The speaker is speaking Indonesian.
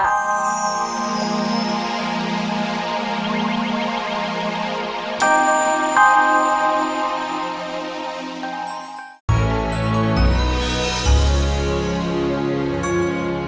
kau sudah tahu